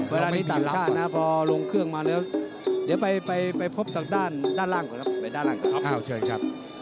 เวลานี้ต่างชาตินะครับพอลงเครื่องมาแล้วเดี๋ยวไปพบทางด้านล่างก่อนครับ